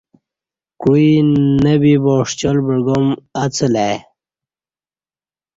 کوعی نہ بیبا ݜیال بعگام اڅہ لہ ای